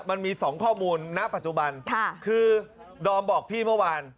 มันมี๒ข้อมูลณปัจจุบันคือดอมบอกพี่เมื่อวาน